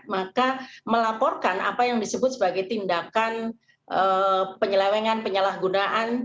maka melaporkan apa yang disebut sebagai tindakan penyelewengan penyalahgunaan